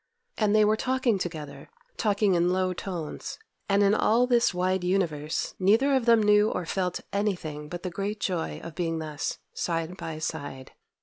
And they were talking together—talking in low tones; and in all this wide universe neither of them knew or felt anything but the great joy of being thus side by side.